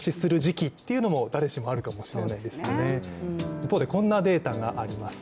一方でこんなデータがあります。